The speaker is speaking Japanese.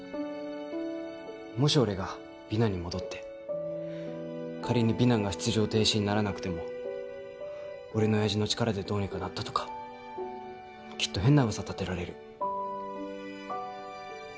もし俺が美南に戻って仮に美南が出場停止にならなくても俺の親父の力でどうにかなったとかきっと変な噂立てられる。